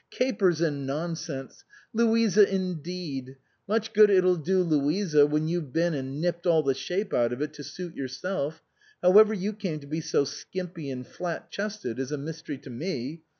" Capers and nonsense ! Louisa indeed ! Much good it'll do Louisa when you've been and nipped all the shape out of it to suit yourself. However you came to be so skimpy and flat chested is a mystery to me.